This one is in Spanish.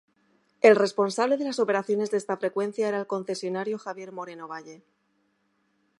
El responsable de las operaciones de esta frecuencia era el concesionario Javier Moreno Valle.